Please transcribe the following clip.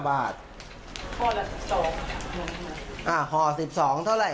อ่าห่อ๑๒เท่าไหร่